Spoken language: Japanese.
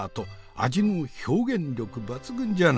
味も表現力抜群じゃな。